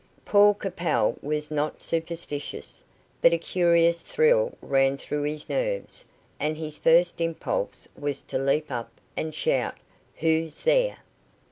Paul Capel was not superstitious, but a curious thrill ran through his nerves, and his first impulse was to leap up and shout, "Who's there?"